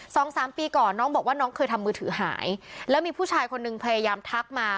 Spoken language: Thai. สองสามปีก่อนน้องบอกว่าน้องเคยทำมือถือหายแล้วมีผู้ชายคนหนึ่งพยายามทักมา